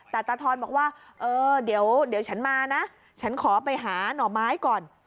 แต่ตาทอนบอกว่าเออเดี๋ยวฉันมานะฉันขอไปหาหน่อไม้ก่อน